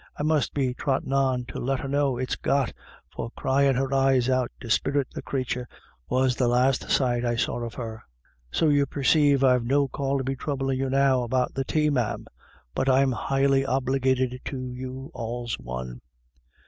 1 must be trottin on to let hei know it's got, for cryin' BACKWARDS AND FORWARDS. 275 her eyes out disprit the crathur was the last sight I saw of her. So you perceive I've no call to be throublin* you now about the tay, ma'am ; but I'm highly obligated to you all's one."